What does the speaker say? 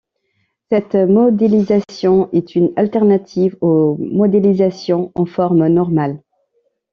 Cette modélisation est une alternative aux modélisations en forme normale.